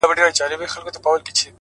زړه مې کنګل دی